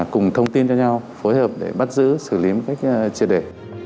cùng thông tin cho nhau phối hợp để bắt giữ xử lý các triệt để